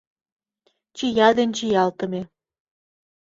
Чия ден чиялтыме.